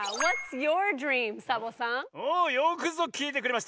およくぞきいてくれました！